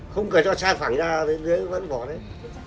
không cởi cho san phẳng ra thì vẫn vỏ đấy